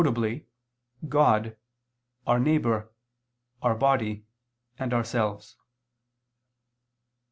God, Our Neighbor, Our Body and Ourselves?